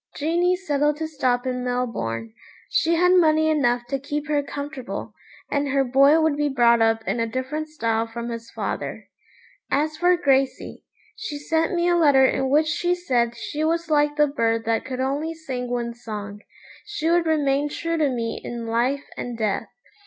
Jeanie settled to stop in Melbourne. She had money enough to keep her comfortable, and her boy would be brought up in a different style from his father. As for Gracey, she sent me a letter in which she said she was like the bird that could only sing one song. She would remain true to me in life and death.